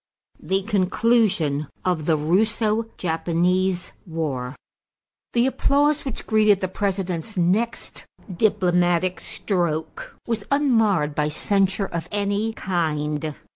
=The Conclusion of the Russo Japanese War.= The applause which greeted the President's next diplomatic stroke was unmarred by censure of any kind.